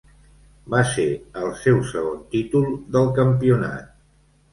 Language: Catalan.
Va ser el seu segon títol del campionat.